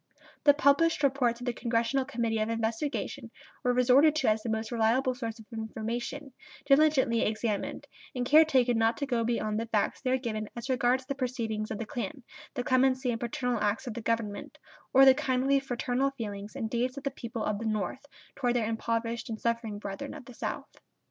The published reports of the Congressional Committee of Investigation were resorted to as the most reliable source of information, diligently examined, and care taken not to go beyond the facts there given as regards the proceedings of the Klan, the clemency and paternal acts of the Government, or the kindly, fraternal feelings and deeds of the people of the North toward their impoverished and suffering brethren of the South.